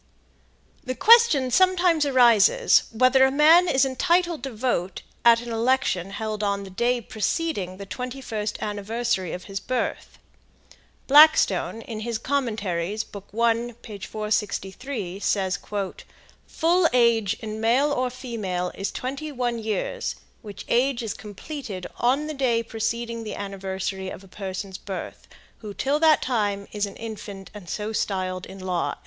The question sometimes arises whether it man is entitled to vote at an election held on the day preceding the twenty first anniversary of his birth. Blackstone, in his Commentaries, book 1, page 463, says: "Full age in male or female is 21 years, which age is completed on the day preceding the anniversary of a person's birth, who, till that time, is an infant, and so styled in law."